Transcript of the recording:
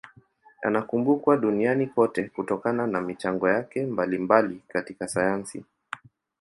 Anakumbukwa duniani kote kutokana na michango yake mbalimbali katika sayansi.